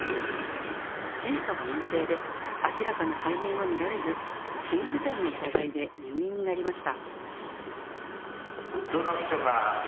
検査は陰性で明らかな肺炎は見られず、心不全の疑いで入院になりました。